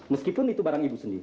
meskipun itu barang ibu sendiri